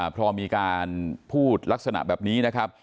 พอมีการพูดลักษณะแบบนี้นะครับ